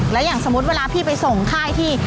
แล้วอย่างสมมุติเวลาพี่ไปส่งค่ายที่